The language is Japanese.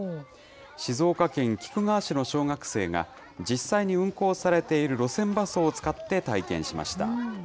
静岡県菊川市の小学生が、実際に運行されている路線バスを使って体験しました。